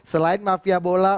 selain mafia bola